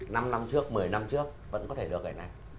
năm năm trước một mươi năm trước vẫn có thể được ảnh này